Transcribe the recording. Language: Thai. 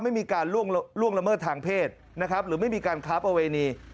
ไม่มีการล่วงละเมิดทางเพศนะครับหรือไม่มีการค้าประเวณี